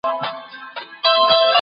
روغتیايي مشورې د ناروغیو مخه نیسي.